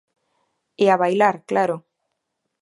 E a bailar, claro.